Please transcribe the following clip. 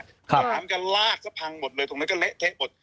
จากนั้นก็ลากซะพังหมดเลยตรงนั้นก็เละเทะหมด